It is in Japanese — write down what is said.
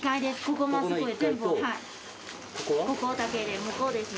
ここだけで向こうですね